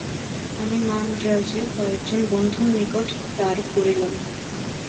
আমি মান্দ্রাজে কয়েকজন বন্ধুর নিকট তার করিলাম।